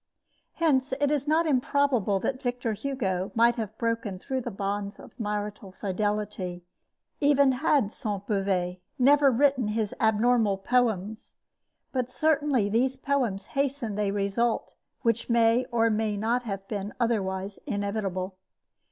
Hence, it is not improbable that Victor Hugo might have broken through the bonds of marital fidelity, even had Sainte Beuve never written his abnormal poems; but certainly these poems hastened a result which may or may not have been otherwise inevitable.